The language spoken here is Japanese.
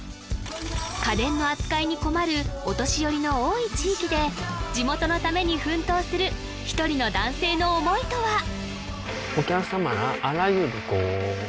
家電の扱いに困るお年寄りの多い地域で地元のために奮闘する一人の男性の思いとは？